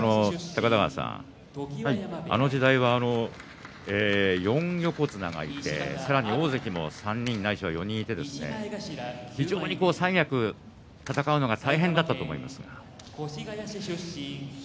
あの時代４横綱がいて大関も３人ないしは４人いて非常に三役戦うのが大変だったと思います。